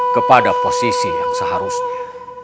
kepada posisi yang seharusnya